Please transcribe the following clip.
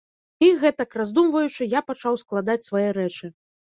І, гэтак раздумваючы, я пачаў складаць свае рэчы.